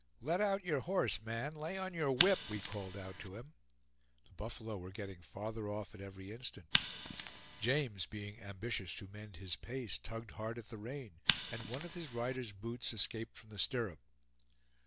"Let out your horse, man; lay on your whip!" we called out to him. The buffalo were getting farther off at every instant. James, being ambitious to mend his pace, tugged hard at the rein, and one of his rider's boots escaped from the stirrup.